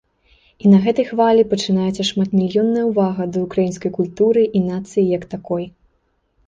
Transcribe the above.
І на гэтай хвалі пачынаецца шматмільённая увага да ўкраінскай культуры і нацыі як такой.